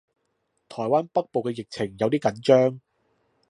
台灣北部嘅疫情有啲緊張